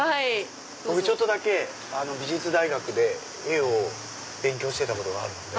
僕ちょっとだけ美術大学で絵を勉強してたことがあるので。